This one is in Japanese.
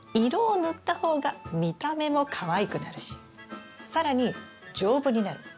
色を塗った方が見た目もかわいくなるし更に丈夫になる。